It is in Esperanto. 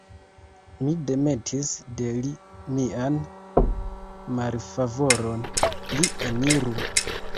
Mi demetis de li mian malfavoron, li eniru!